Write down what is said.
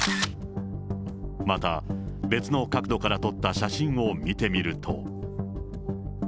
また、別の角度から撮った写真を見てみると。